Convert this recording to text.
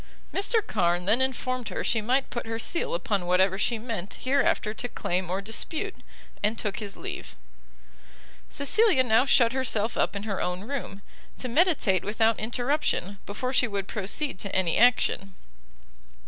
Mr Carn then informed her she might put her seal upon whatever she meant hereafter to claim or dispute, and took his leave. Cecilia now shut herself up in her own room, to meditate without interruption, before she would proceed to any action.